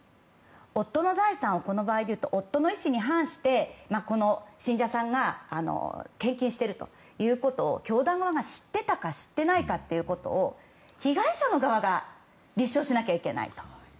夫の財産をこの場合、夫の意思に反して信者さんが献金しているということを教団側が知っていたか知っていないかということを被害者側が立証しなきゃいけない。